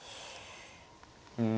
うん。